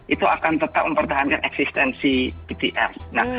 itu akan tetap mempertahankan eksistensi bts